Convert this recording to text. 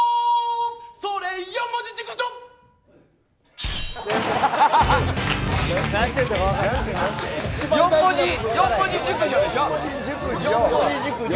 それ四文字熟女！